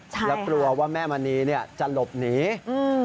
และกลัวว่าแม่มณีจะหลบหนี